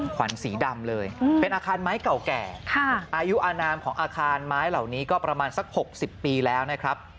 ขวัญสีดำเลยเป็นอาคารไม้เก่าแก่อายุอนามของอาคารไม้เหล่านี้ก็ประมาณสัก๖๐ปีแล้วนะครับ